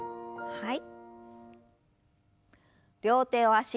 はい。